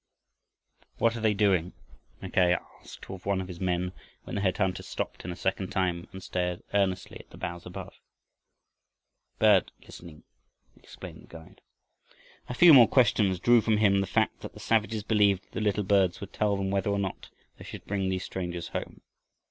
"What are they doing?" Mackay asked of one of his men, when the head hunters stopped a second time and stared earnestly at the boughs above. "Bird listening," explained the guide. A few more questions drew from him the fact that the savages believed the little birds would tell them whether or not they should bring these strangers home.